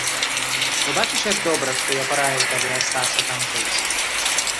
Ну, бачыш, як добра, што я параіў табе астацца там жыць.